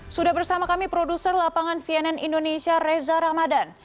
sudah bersama kami produser lapangan cnn indonesia reza ramadan